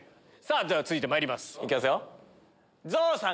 では続いてまいります。